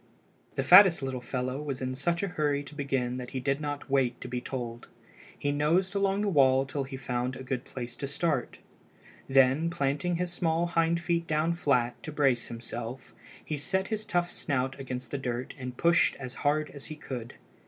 The fattest little fellow was in such a hurry to begin that he did not wait to be told. He nosed along the wall till he found a good place to start. Then planting his small hind feet down flat, to brace himself, he set his tough snout against the dirt and pushed as hard as he could.